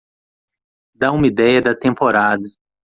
Dá uma ideia da temporada.